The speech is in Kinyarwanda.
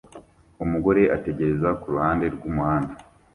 Umugore ategereza kuruhande rwumuhanda